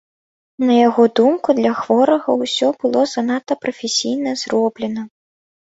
На яго думку, для хворага ўсё было занадта прафесійна зроблена.